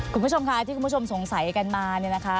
คุณผู้ชมค่ะที่คุณผู้ชมสงสัยกันมาเนี่ยนะคะ